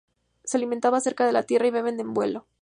Se alimentan cerca de la tierra, y beben en vuelo.